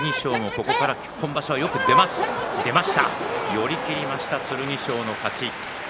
寄り切りました剣翔の勝ち。